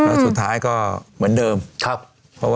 แล้วสุดท้ายก็เหมือนเดิมครับ